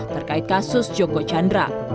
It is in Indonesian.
terkait kasus joko candra